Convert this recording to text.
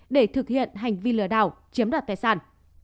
để thực hiện hành vi lừa đảo chiếm đoạt tài sản